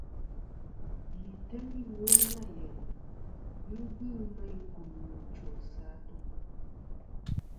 Yì teyn iwo nâ yenì , ghɨ bɨ meyn gumnɨ chwosɨ atu.